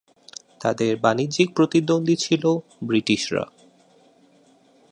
তাদের বাণিজ্যিক প্রতিদ্বন্দী ছিলো ব্রিটিশরা।